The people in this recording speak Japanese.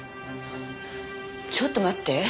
ちょっと待って。